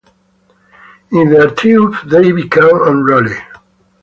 In their triumph they become unruly.